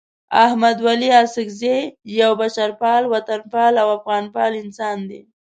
احمد ولي اڅکزی یو بشرپال، وطنپال او افغانپال انسان دی.